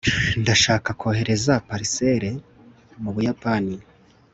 ndashaka kohereza parcelle mu buyapani